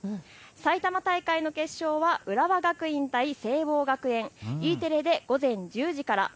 埼玉大会の決勝は浦和学院対聖望学園、Ｅテレで午前１０時から。